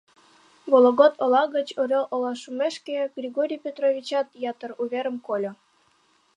Вологод ола гыч Орёл олаш шумешке Григорий Петровичат ятыр уверым кольо.